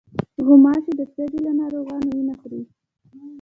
غوماشې د سږي له ناروغانو وینه خوري.